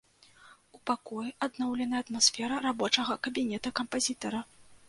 У пакоі адноўленая атмасфера рабочага кабінета кампазітара.